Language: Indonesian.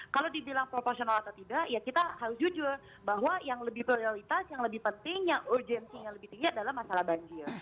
kalau dibilang proporsional atau tidak ya kita harus jujur bahwa yang lebih prioritas yang lebih penting yang urgensinya lebih tinggi adalah masalah banjir